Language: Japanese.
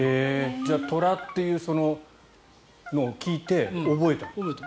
じゃあトラっていうのを聞いて覚えたと。